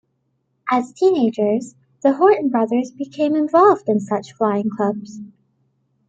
As teenagers, the Horten brothers became involved in such flying clubs.